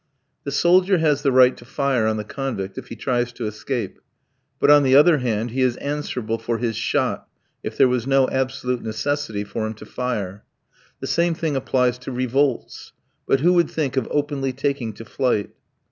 The soldier has the right to fire on the convict if he tries to escape. But, on the other hand, he is answerable for his shot, if there was no absolute necessity for him to fire. The same thing applies to revolts. But who would think of openly taking to flight?